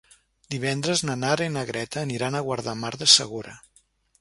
Divendres na Nara i na Greta aniran a Guardamar del Segura.